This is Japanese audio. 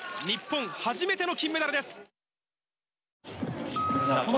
日本初めての金メダルです！